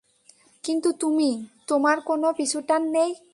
কিন্তু তুমি, তোমার কোনো পিছুটান নেই।